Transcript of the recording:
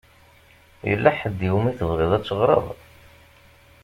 Yella ḥedd i wumi tebɣiḍ ad teɣṛeḍ?